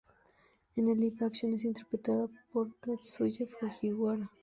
En el Live-Action es interpretado por Tatsuya Fujiwara.